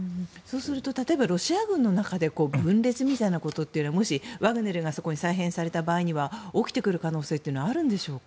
例えばロシア軍の中で分裂みたいなことはもし、ワグネルがそこに再編された場合には起きてくる可能性はあるんでしょうか。